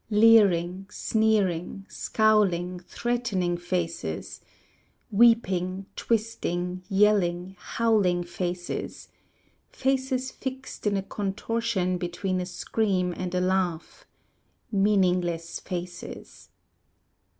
Leering, sneering, scowling, threatening faces; Weeping, twisting, yelling, howling faces; Faces fixed in a contortion between a scream and a laugh, Meaningless faces.